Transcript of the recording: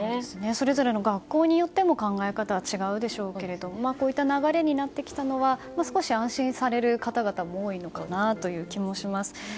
それぞれの学校によっても考え方は違うでしょうけどこういった流れになってきたのは少し安心される方々も多いのかなという気もします。